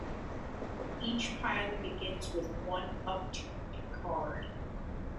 Each pile begins with one upturned card.